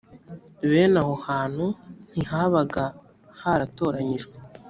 bene aho hantu ntihabaga haratoranyijwe